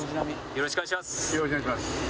よろしくお願いします。